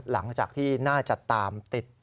หลังจากที่น่าจะตามติด